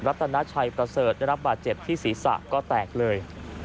รัฐนาชัยประเสริฐได้รับบาดเจ็บที่ศีรษะก็แตกเลย